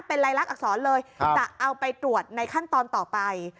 เป็นลายลักษณอักษรเลยจะเอาไปตรวจในขั้นตอนต่อไป